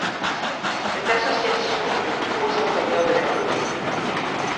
Cette association est le plus gros employeur de la commune.